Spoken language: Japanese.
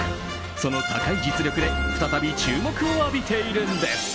その高い実力で再び注目を浴びているんです。